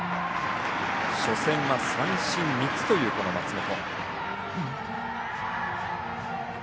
初戦は三振３つという松本。